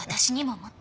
もっと。